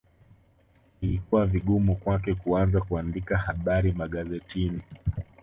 Ilikuwa vigumu kwake kuanza kuandika habari magazetini